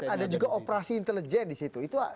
saya lihat ada juga operasi intelijen disitu